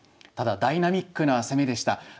ただダイナミックな攻めでした。